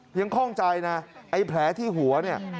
คล่องใจนะไอ้แผลที่หัวเนี่ย